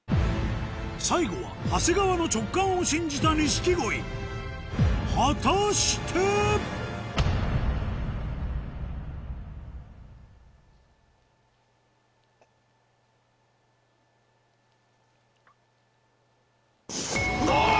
最後は長谷川の直感を信じた錦鯉果たして⁉お！